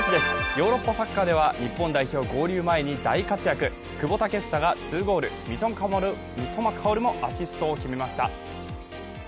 ヨーロッパサッカーでは日本代表合流前に大活躍、久保建英が２ゴール、三笘薫もアシストを決めました。